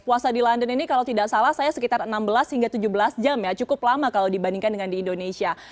puasa di london ini kalau tidak salah saya sekitar enam belas hingga tujuh belas jam ya cukup lama kalau dibandingkan dengan di indonesia